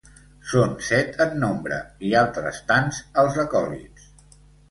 Són set en nombre i altres tants els acòlits.